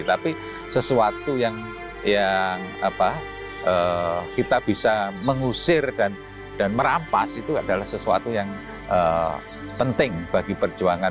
tapi sesuatu yang kita bisa mengusir dan merampas itu adalah sesuatu yang penting bagi perjuangan